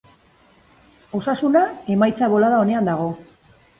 Osasuna emaitza bolada onean dago.